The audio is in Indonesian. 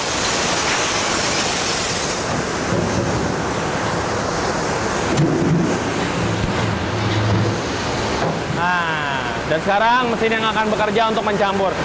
nah sekarang mesin yang akan bekerja untuk mencampur